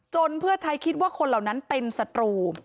เพื่อไทยคิดว่าคนเหล่านั้นเป็นศัตรู